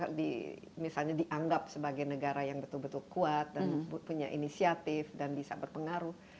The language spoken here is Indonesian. kalau misalnya dianggap sebagai negara yang betul betul kuat dan punya inisiatif dan bisa berpengaruh